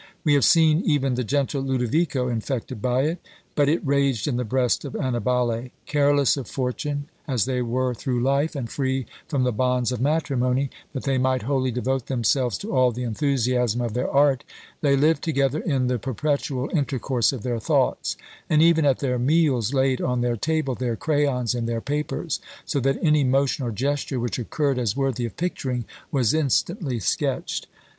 We have seen even the gentle Lodovico infected by it; but it raged in the breast of Annibale. Careless of fortune as they were through life, and free from the bonds of matrimony, that they might wholly devote themselves to all the enthusiasm of their art, they lived together in the perpetual intercourse of their thoughts; and even at their meals laid on their table their crayons and their papers, so that any motion or gesture which occurred, as worthy of picturing, was instantly sketched.